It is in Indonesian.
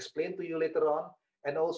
saya ingin membuat perbandingan